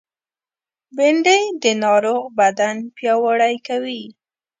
بېنډۍ د ناروغ بدن پیاوړی کوي